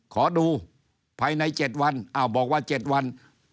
ขอดูภายใน๗วันบอกว่า๗วัน